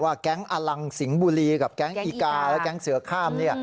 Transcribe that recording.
แก๊งอลังสิงห์บุรีกับแก๊งอีกาและแก๊งเสือข้าม